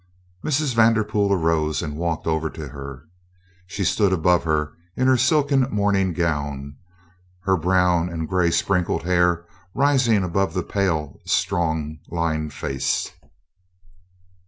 Mrs. Vanderpool arose and walked over to her. She stood above her, in her silken morning gown, her brown and gray sprinkled hair rising above the pale, strong lined face.